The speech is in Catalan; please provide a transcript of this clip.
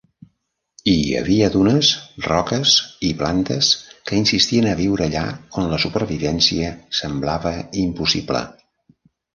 I hi havia dunes, roques i plantes que insistien a viure allà on la supervivència semblava impossible.